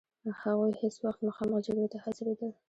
هغوی هیڅ وخت مخامخ جګړې ته حاضرېدل.